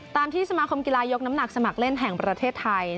ตามที่สมาคมกีฬายกน้ำหนักสมัครเล่นแห่งประเทศไทย